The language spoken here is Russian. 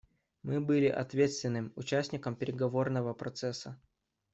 Мы были ответственным участником переговорного процесса.